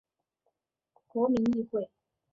国民议会。